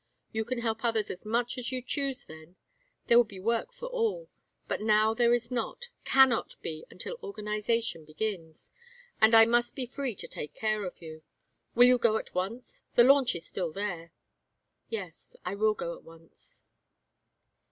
You can help others as much as you choose then. There will be work for all but now there is not, cannot be until organization begins. And I must be free to take care of you. Will you go at once? The launch is still there." "Yes, I will go at once."